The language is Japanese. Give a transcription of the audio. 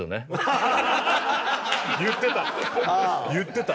言ってた！